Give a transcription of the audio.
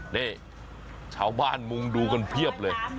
นี่ชาวบ้านมุงดูกันเพียบเลย